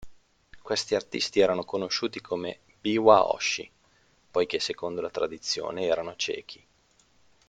Questi artisti erano conosciuti come "biwa hoshi", poiché secondo la tradizione erano ciechi.